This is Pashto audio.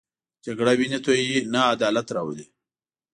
جګړه وینې تویوي، نه عدالت راولي